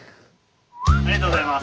ありがとうございます。